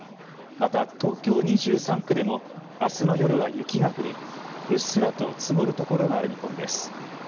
また東京２３区でもあすの夜は雪が降りうっすらと積もるところがある見込みです。